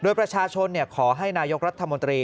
โดยประชาชนขอให้นายกรัฐมนตรี